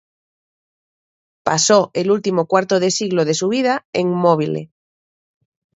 Pasó el último cuarto de siglo de su vida en Mobile.